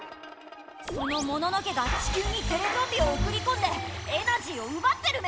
そのモノノ家が地きゅうにテレゾンビをおくりこんでエナジーをうばってるメラ！